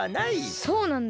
そうなんだ。